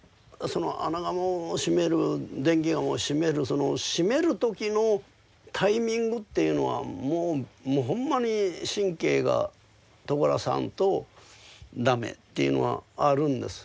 その穴窯を閉める電気窯を閉めるその閉める時のタイミングっていうのはもうもうほんまに神経がとがらさんと駄目っていうのはあるんです。